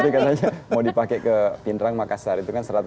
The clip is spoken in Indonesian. dia katanya mau dipakai ke pintarang makassar itu kan seratus